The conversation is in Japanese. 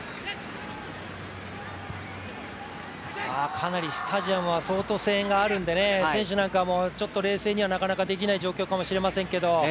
かなりスタジアムは相当声援があるんで選手なんかは、ちょっと冷静にはなかなかできない状況かもしれませんが。